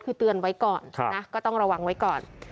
คือเตือนไว้ก่อนนะก็ต้องระวังไว้ก่อน